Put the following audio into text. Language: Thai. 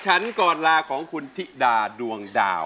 ฉันก่อนลาของคุณธิดาดวงดาว